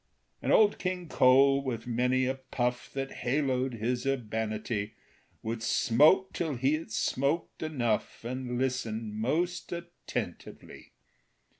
And Old King Cole, with many a puff That haloed his urbanity, Would smoke till he had smoked enough, And listen most attentively.